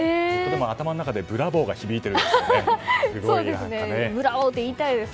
頭の中でブラボーが響いてるところですね。